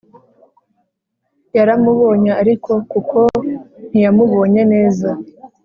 yaramubonye ariko kuko ntiyamubonye neza